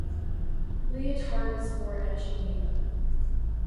Liotard was born at Geneva.